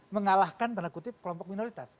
mengalahkan tanda kutip kelompok minoritas